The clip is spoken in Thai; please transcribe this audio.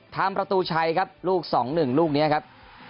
ทำประตูชัยครับลูกสองหนึ่งลูกนี้ครับ